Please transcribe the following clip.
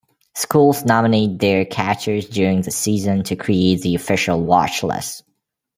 Schools nominate their catchers during the season to create the official watch list.